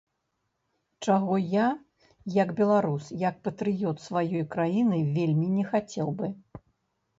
Чаго я як беларус, як патрыёт сваёй краіны вельмі не хацеў бы.